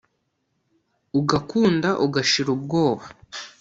ugakunda ugashira ubwoba